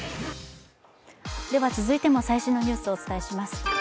続いても最新のニュースをお伝えします。